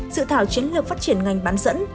dự thảo chiến lược phát triển ngành bán dẫn